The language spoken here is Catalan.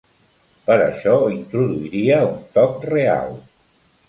Per això introduiria un toc real.